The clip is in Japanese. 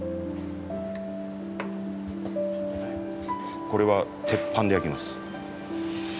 これは鉄板で焼きます。